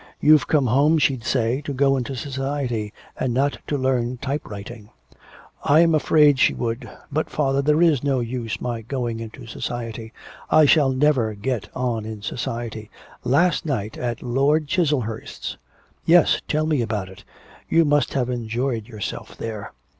You've come home, she'd say, to go into society, and not to learn type writing.' 'I'm afraid she would. But father, there is no use my going into society. I shall never get on in society. Last night at Lord Chiselhurst's ' 'Yes; tell me about it. You must have enjoyed yourself there.'